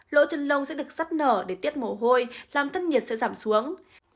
lỗ chân lông sẽ được rắt nở để tiết mồ hôi làm thân nhiệt sẽ giảm xuống